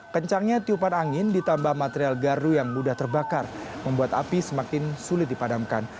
kencangnya tiupan angin ditambah material gardu yang mudah terbakar membuat api semakin sulit dipadamkan